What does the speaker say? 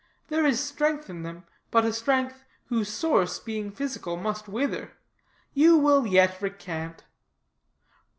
There is strength in them, but a strength, whose source, being physical, must wither. You will yet recant."